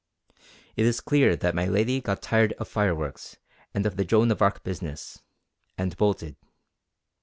It is clear that my lady got tired of fireworks and of the Joan of Arc business, and bolted.